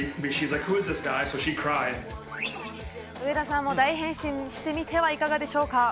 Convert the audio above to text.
上田さんも大変身してみてはいかがでしょうか。